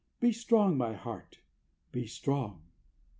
Be strong, my heart, Be strong_!"